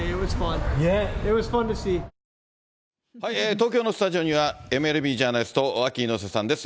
東京のスタジオには、ＭＬＢジャーナリスト、アキ猪瀬さんです。